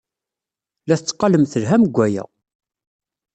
La tetteqqalem telham deg waya.